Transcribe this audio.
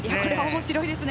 面白いですね。